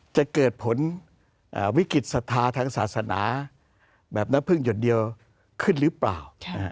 จะเกิดผลวิกฤตศรัทธาทางศาสนาแบบน้ำพึ่งหยดเดียวขึ้นหรือเปล่า